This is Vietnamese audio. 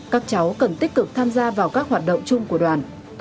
các cháu cần tích cực tham gia vào các hoạt động chung của đoàn